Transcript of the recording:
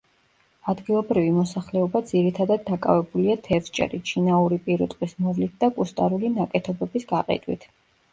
ადგილობრივი მოსახლეობა ძირითადად დაკავებულია თევზჭერით, შინაური პირუტყვის მოვლით და კუსტარული ნაკეთობების გაყიდვით.